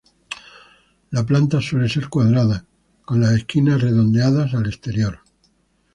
La planta suele ser cuadrada con las esquinas redondeadas al exterior.